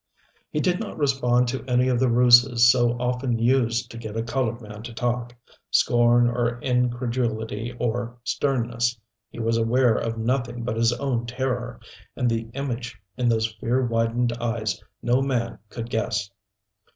He did not respond to any of the ruses so often used to get a colored man to talk scorn or incredulity or sternness. He was aware of nothing but his own terror, and the image in those fear widened eyes no man could guess.